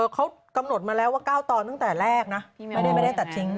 เขากำหนดมาแล้วว่า๙ตอนตั้งแต่แรกนะไม่ได้ตัดทิ้ง